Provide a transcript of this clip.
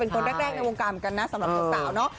คนแรกในวงการเหมือนกันนะสำหรับสาวเนาะ